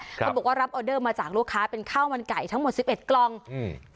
เขาบอกว่ารับออเดอร์มาจากลูกค้าเป็นข้าวมันไก่ทั้งหมดสิบเอ็ดกล่องอืม